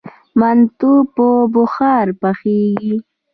منتو په بخار پخیږي؟